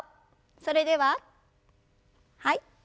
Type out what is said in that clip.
それでははい。